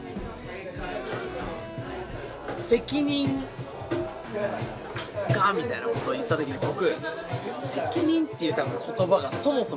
「責任が」みたいなことを言ったときに僕。